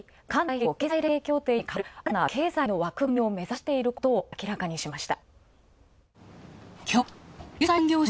環太平洋経済連携協定にかわる新たな経済の枠組みを目指していることを明らかにしました。